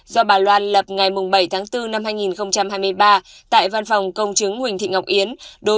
do bà loan lập ngày bảy tháng bốn năm hai nghìn hai mươi ba tại văn phòng công chứng huỳnh thị ngọc yến